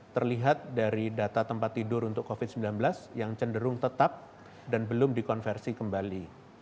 terlihat dari data tempat tidur untuk covid sembilan belas yang cenderung tetap dan belum dikonversi kembali